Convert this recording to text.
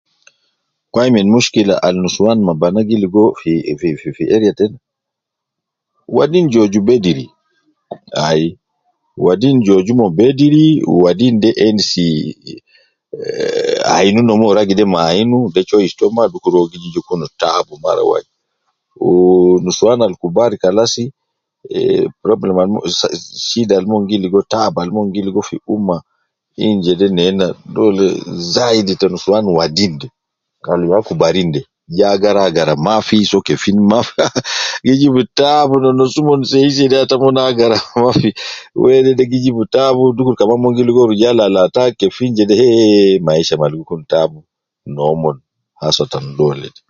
Wai min mushkila al nusuwan ma bana gi ligo fi fi fi area tena, wadin joju bediri ai, wadin joju omon bediri, wadin de endisi ehh, ayin ne omon ragi de me ayin, de choice to ma, dukur uwo gi ja kun tab mara wai, wu nusuwan al kubar kalas eh problem al mon zaidi, shida al mon gi ligo, tab al mon gi ligo fi umma in jede nena dole zaidi te nusuwan wadin de kan ya kubarin de, wadin gi agara agara mafi, soo kefin mafi ah ah, gi jib tab na nus omon sei sei de ata agara mafi, wede gi jibu tabu dukur kaman mon gi ligo rujal al ata kefin jede eh, maisha mal gi kun tab nomon hasatan dole